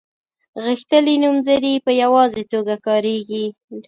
غښتلي نومځري په یوازې توګه کاریږي.